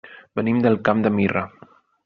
Venim del Camp de Mirra.